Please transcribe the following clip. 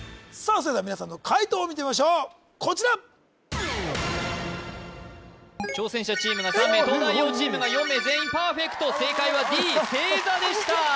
それでは皆さんの解答を見てみましょうこちら挑戦者チームが３名東大王チームが４名全員パーフェクト正解はＤ正座でした・あれ？